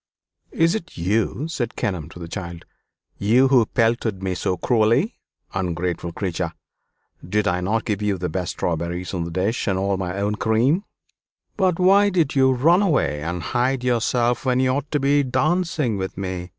"Is it you?" said Kenelm to the child "you who pelted me so cruelly? Ungrateful creature! Did I not give you the best strawberries in the dish, and all my own cream?" "But why did you run away and hide yourself when you ought to be dancing with me?"